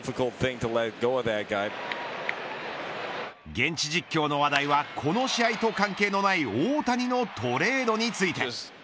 現地実況の話題はこの試合と関係のない大谷のトレードについて